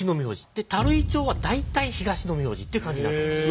で垂井町は大体東の名字っていう感じになってます。